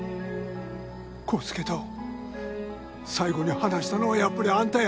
康介と最後に話したのはやっぱりあんたや